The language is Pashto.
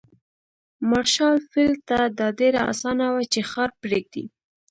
مارشال فيلډ ته دا ډېره اسانه وه چې ښار پرېږدي.